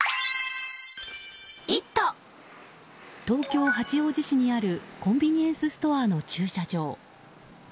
東京・八王子市にあるコンビニエンスストアの駐車場。